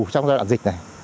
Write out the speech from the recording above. trong giai đoạn dịch này